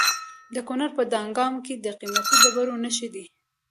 د کونړ په دانګام کې د قیمتي ډبرو نښې دي.